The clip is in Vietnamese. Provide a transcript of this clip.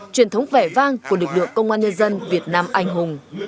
truyền thống vẻ vang của lực lượng công an nhân dân việt nam anh hùng